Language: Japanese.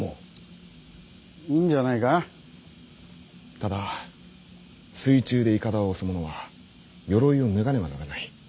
ただ水中でいかだを押す者は鎧を脱がねばならない。